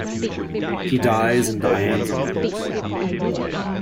He dies in Diane's arms.